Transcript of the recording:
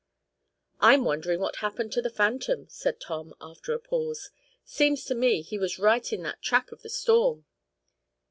"I'm wondering what happened to the phantom," said Tom, after a pause. "Seems to me he was right in that track of the storm."